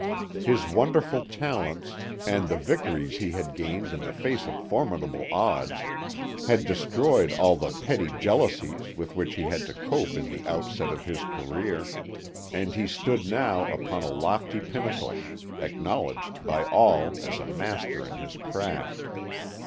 His wonderful talents, and the victories he had gained in the face of formidable odds, had destroyed all the petty jealousies with which he had to cope in the outset of his career, and he stood now upon a lofty pinnacle, acknowledged by all as a master in his craft.